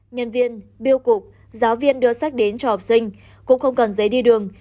nhân viên biêu cục giáo viên đưa sách đến cho học sinh cũng không cần giấy đi đường